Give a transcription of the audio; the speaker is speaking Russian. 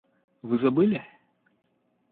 Вы забыли?